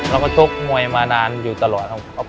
เราก็ชกมวยมานานอยู่ตลอดครับผม